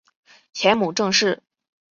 前母郑氏。